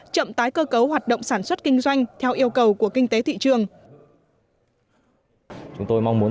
chậm tái cơ cấu hoạt động sản xuất kinh doanh theo yêu cầu của kinh tế thị trường